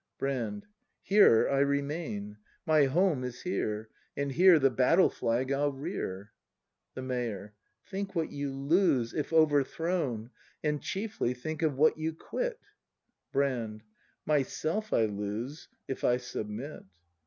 Brand. Here I remain. My home is here, And here the battle flag I'll rear! The Mayor Think what you lose, if overthrown, And, chiefly, think of what you quit! Brand. Myself I lose, if I submit.